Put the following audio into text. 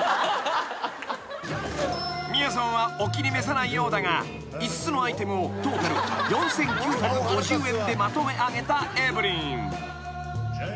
［みやぞんはお気に召さないようだが５つのアイテムをトータル４，９５０円でまとめあげたエブリン］